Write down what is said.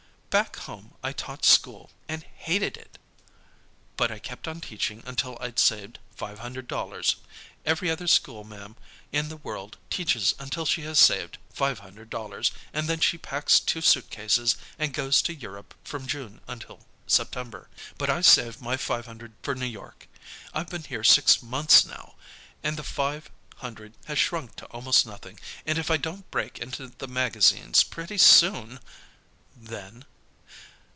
"Back home I taught school and hated it. But I kept on teaching until I'd saved five hundred dollars. Every other school ma'am in the world teaches until she has saved five hundred dollars, and then she packs two suit cases, and goes to Europe from June until September. But I saved my five hundred for New York. I've been here six months now, and the five hundred has shrunk to almost nothing, and if I don't break into the magazines pretty soon " "Then?"